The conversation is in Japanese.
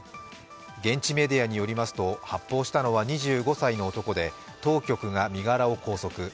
現地メディアによりますと発砲したのは２５歳の男で当局が身柄を拘束。